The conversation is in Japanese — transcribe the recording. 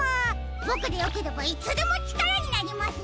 ボクでよければいつでもちからになりますよ！